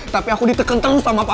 tapi aku diteken terus sama papa